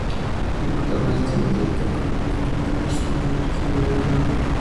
El protagonista no acepta el comportamiento de sus compañeros y huye a Canadá.